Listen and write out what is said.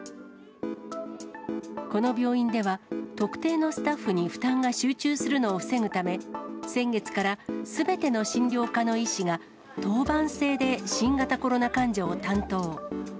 この病院では、特定のスタッフに負担が集中するのを防ぐため、先月からすべての診療科の医師が、当番制で新型コロナ患者を担当。